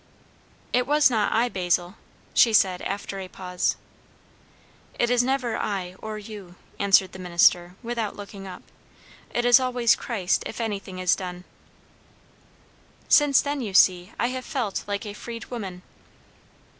"It was not I, Basil" she said after a pause. "It never is I or you," answered the minister without looking up. "It is always Christ if anything is done." "Since then, you see, I have felt like a freedwoman."